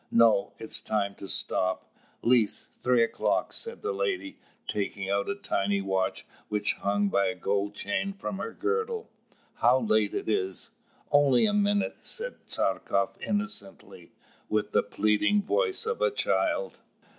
"No, it is time to stop. Lise, three o'clock!" said the lady, taking out a tiny watch which hung by a gold chain from her girdle. "How late it is!" "Only a minute," said Tchartkoff innocently, with the pleading voice of a child.